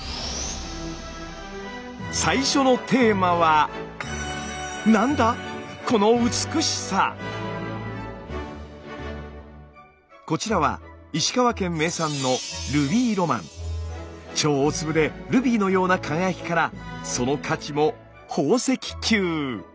最初のテーマはこちらは石川県名産の超大粒でルビーのような輝きからその価値も宝石級。